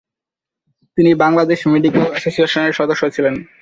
তিনি বাংলাদেশ মেডিকেল অ্যাসোসিয়েশনের সদস্য ছিলেন।